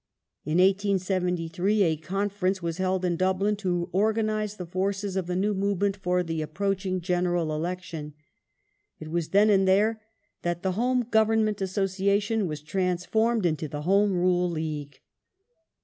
In 1873 a Conference was held in Dublin to organize the forces of the new movement for the approaching General Election. It was then and there that the "Home Government Association" was transformed into the " Home Rule League